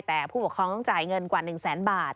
แต่ผู้ปกครองต้องจ่ายเงินกว่า๑แสนบาท